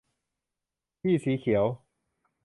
ที่สีเขียว